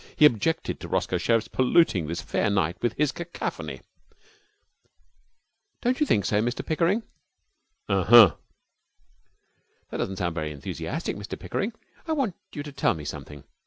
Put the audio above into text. He objected to Roscoe Sherriff's polluting this fair night with his cacophony. 'Don't you think so, Mr Pickering?' 'Uh huh.' 'That doesn't sound very enthusiastic. Mr Pickering, I want you to tell me something.